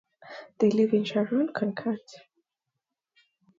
They live in Sharon, Connecticut.